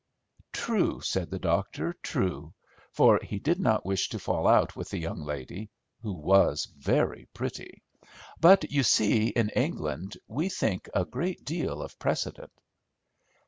"True," said the doctor, "true," for he did not wish to fall out with the young lady, who was very pretty; "but, you see, in England we think a great deal of precedent."